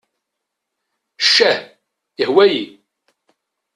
Ccah, yehwa-yi!